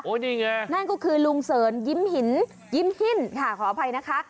นี่ไงนั่นก็คือลุงเสริญยิ้มหินยิ้มหินค่ะขออภัยนะคะ